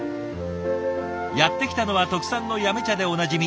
やって来たのは特産の八女茶でおなじみ